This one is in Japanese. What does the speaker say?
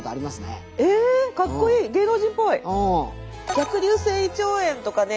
逆流性胃腸炎とかね